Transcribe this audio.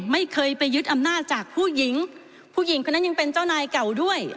ไม่เคยไปยึดอำนาจจากผู้หญิงผู้หญิงคนนั้นยังเป็นเจ้านายเก่าด้วย